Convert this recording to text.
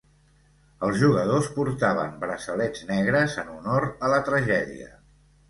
Els jugadors portaven braçalets negres en honor a la tragèdia.